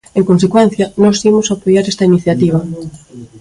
En consecuencia, nós imos apoiar esta iniciativa.